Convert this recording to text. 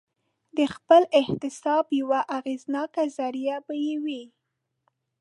د خپل احتساب یوه اغېزناکه ذریعه به یې وي.